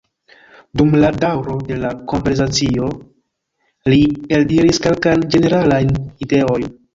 Dum la daŭro de la konversacio, li eldiris kelkajn ĝeneralajn ideojn.